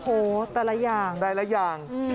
โอโหแต่ละอย่าง